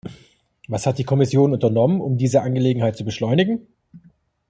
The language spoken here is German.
Was hat die Kommission unternommen, um diese Angelegenheit zu beschleunigen?